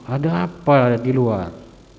ada apa ada di luar